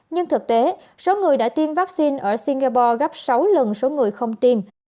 nhưng thực tế số người đã tiêm vaccine ở singapore gấp sáu lần số người không tiêm